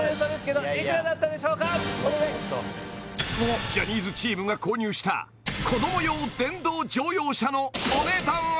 もっともっとジャニーズチームが購入した子ども用電動乗用車のお値段は？